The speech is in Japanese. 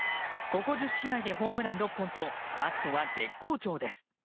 ここ１０試合でホームラン６本とバットは絶好調です。